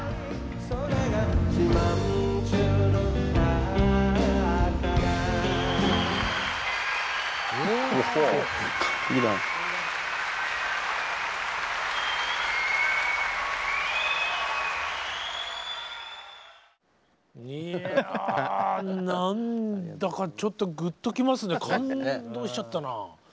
いや何だかちょっとグッときますね感動しちゃったな。